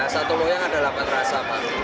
satu loyang ada delapan rasa pak